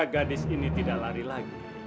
gadis ini tidak lari lagi